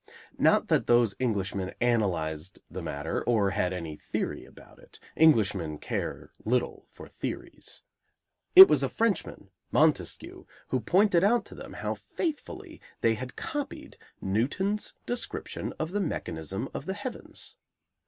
Not that those Englishmen analyzed the matter, or had any theory about it; Englishmen care little for theories. It was a Frenchman, Montesquieu, who pointed out to them how faithfully they had copied Newton's description of the mechanism of the heavens.